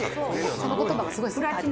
「その言葉がすごいスッと」